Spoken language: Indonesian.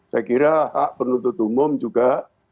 saya kira hak penuntut umum juga